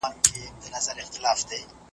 الله ﷻ یو دی